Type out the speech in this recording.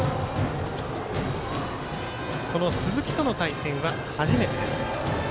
鈴木との対戦は初めてです。